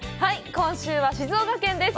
今週は静岡県です。